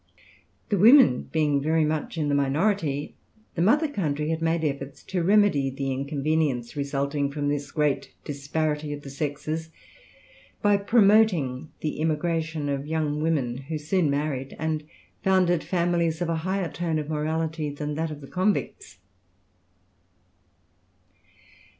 The women being very much in the minority, the mother country had made efforts to remedy the inconvenience resulting from this great disparity of the sexes, by promoting the immigration of young women, who soon married and founded families of a higher tone of morality than that of the convicts.